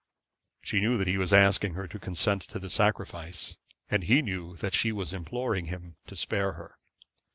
She knew that he was asking her to consent to the sacrifice, and he knew that she was imploring him to spare her.